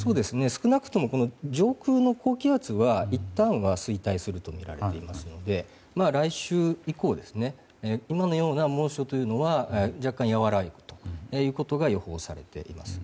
少なくとも上空の高気圧はいったんは衰退するとみられますので来週以降、今のような猛暑は若干和らいでくることが予報されています。